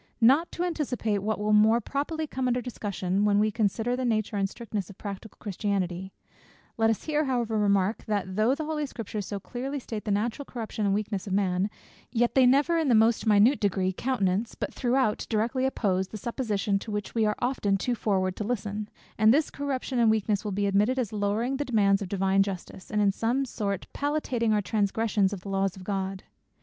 Not to anticipate what will more properly come under discussion, when we consider the nature and strictness of practical Christianity; let us here, however, remark, that though the holy Scriptures so clearly state the natural corruption and weakness of man, yet they never, in the most minute degree, countenance, but throughout directly oppose, the supposition to which we are often too forward to listen, that this corruption and weakness will be admitted as lowering the demands of divine justice, and in some sort palliating our transgressions of the laws of God.